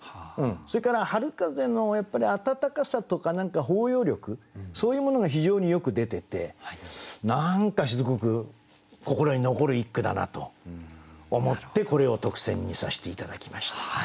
それから春風の暖かさとか包容力そういうものが非常によく出てて何かしつこく心に残る一句だなと思ってこれを特選にさせて頂きました。